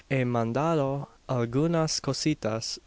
He mandado algunas cositas.